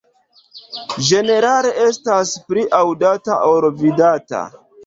Ĝenerale estas pli aŭdata ol vidata.